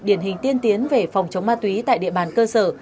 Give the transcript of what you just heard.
điển hình tiên tiến về phòng chống ma túy tại địa bàn cơ sở